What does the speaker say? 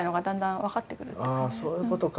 あそういうことか。